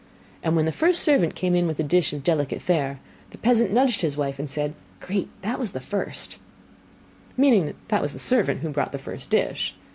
And when the first servant came with a dish of delicate fare, the peasant nudged his wife, and said: 'Grete, that was the first,' meaning that was the servant who brought the first dish.